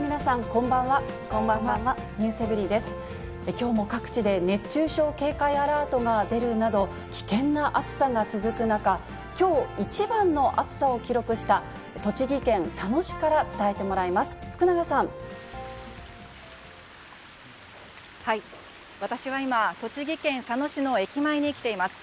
きょうも各地で熱中症警戒アラートが出るなど、危険な暑さが続く中、きょう一番の暑さを記録した栃木県佐野市から伝えてもらいます。